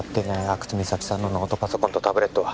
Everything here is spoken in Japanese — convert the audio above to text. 阿久津実咲さんのノートパソコンとタブレットは？